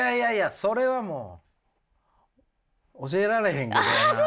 それはもう教えられへんけどな。